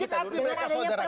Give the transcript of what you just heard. kalau mereka salah